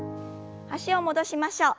脚を戻しましょう。